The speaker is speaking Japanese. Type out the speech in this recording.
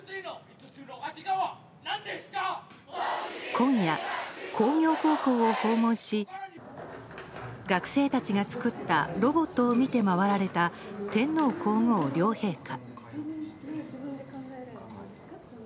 今夜、工業高校を訪問し学生たちが作ったロボットを見て回られた天皇・皇后両陛下。